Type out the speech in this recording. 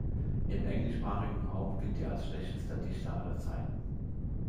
Im englischsprachigen Raum gilt er als schlechtester Dichter aller Zeiten.